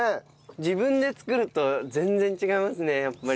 自分で作ると全然違いますねやっぱり。